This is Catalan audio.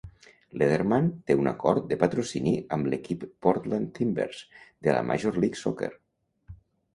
Leatherman té un acord de patrocini amb l'equip Portland Timbers, de la Major League Soccer.